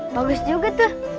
bagus juga tuh